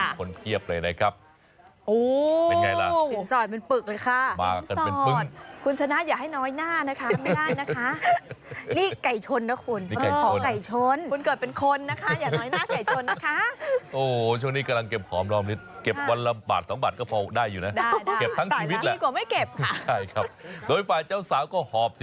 คนเพียบเลยนะครับ